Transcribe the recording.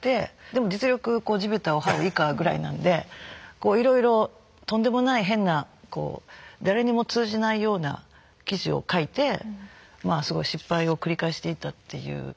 でも実力こう地べたをはう以下ぐらいなんでいろいろとんでもない変なこう誰にも通じないような記事を書いてすごい失敗を繰り返していたっていう。